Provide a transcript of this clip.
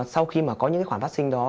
sau khi mà có những cái khoản phát sinh đó